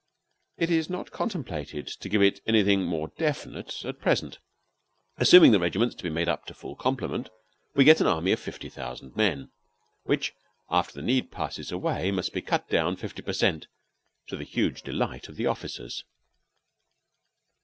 It is not contemplated to give it anything more definite at present. Assuming the regiments to be made up to full complement, we get an army of fifty thousand men, which after the need passes away must be cut down fifty per cent, to the huge delight of the officers.